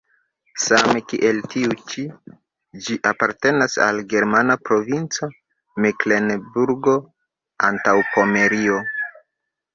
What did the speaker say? Same kiel tiu ĉi ĝi apartenas al la germana provinco Meklenburgo-Antaŭpomerio.